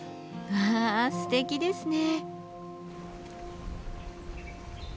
わあすてきですね。